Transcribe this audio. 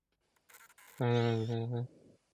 상단들이 무역을 못하니 자연스레 생필품의 값은 곱절로 뛴다